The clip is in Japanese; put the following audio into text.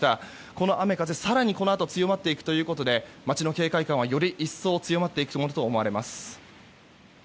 この雨風、更にこのあと強まっていくということで町の警戒感は、より一層強まっていくものと思われます。